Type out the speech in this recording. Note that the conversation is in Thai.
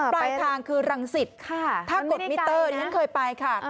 ปลายทางคือรังสิตถ้ากดมิเตอร์อย่างนั้นเคยไปค่ะมันไม่ได้ไกล